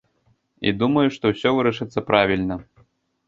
І думаю, што ўсё вырашыцца правільна.